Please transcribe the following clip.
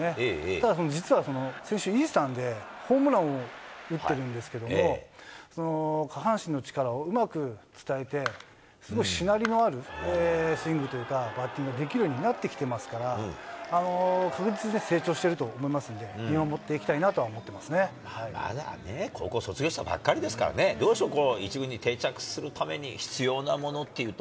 ただ実は先週、イースタンでホームランを打ってるんですけども、下半身の力をうまく伝えて、しなりのあるスイングというか、バッティングができるようになってきてますから、成長していると思いますので、見守っていきたいなとは思ってい高校卒業したばっかりですからね、どうでしょう、１軍に定着するために必要なものっていうと。